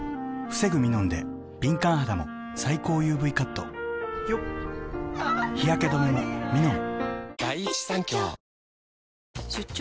防ぐミノンで敏感肌も最高ＵＶカット日焼け止めもミノン！